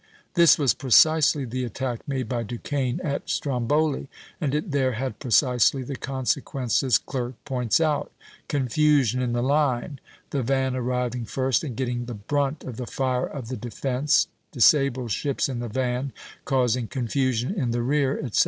This was precisely the attack made by Duquesne at Stromboli, and it there had precisely the consequences Clerk points out, confusion in the line, the van arriving first and getting the brunt of the fire of the defence, disabled ships in the van causing confusion in the rear, etc.